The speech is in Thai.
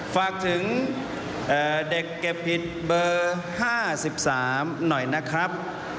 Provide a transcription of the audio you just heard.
ฝากถึงเด็กเก็บผิดเบอร์๕๓หน่อยนะครับ